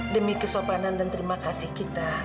demi kesopanan dan terima kasih kita